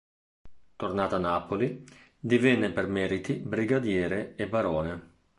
Tornato a Napoli, divenne per meriti brigadiere e barone.